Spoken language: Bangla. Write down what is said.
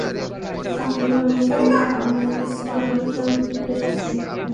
আসলে, আমি আমস্টারডাম থেকে এসেছি।